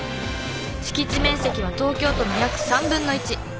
敷地面積は東京都の約３分の１。